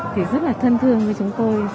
thì rất là thân thương với chúng tôi